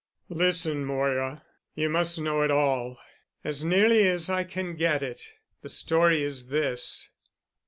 "Listen, Moira. You must know it all. As nearly as I can get it, the story is this.